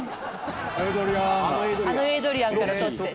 あのエイドリアンから取って。